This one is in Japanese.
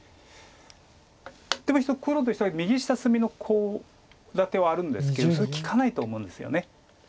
黒としては右下隅のコウ立てはあるんですけどそれ利かないと思うんですよね。